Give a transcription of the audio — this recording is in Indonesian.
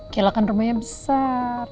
kayla kan rumahnya besar